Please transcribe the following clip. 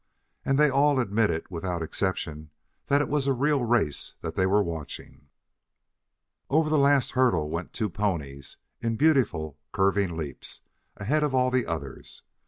And they all admitted, without exception, that it was a real race that they were watching. Over the last hurdle went two ponies in beautiful curving leaps, ahead of all the others.